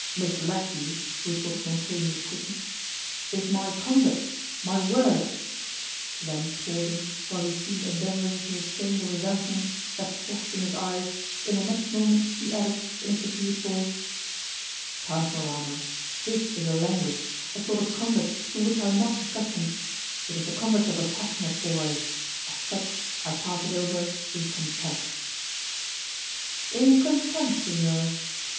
"Misled you!" retorted Montoni with quickness, "is my conduct—my word"—then pausing, while he seemed endeavouring to restrain the resentment, that flashed in his eyes, in the next moment he added, in a subdued voice, "Count Morano, this is a language, a sort of conduct to which I am not accustomed: it is the conduct of a passionate boy—as such, I pass it over in contempt." "In contempt, Signor?"